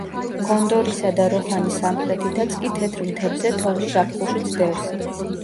გონდორისა და როჰანის სამხრეთითაც კი თეთრ მთებზე თოვლი ზაფხულშიც დევს.